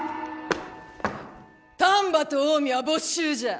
「丹波と近江は没収じゃ！